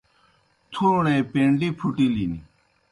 تُھوݨے پینڈِیْ پُھٹِلِن۔